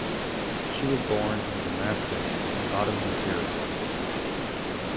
She was born in Damascus in Ottoman Syria.